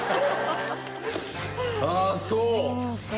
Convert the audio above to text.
あっそう。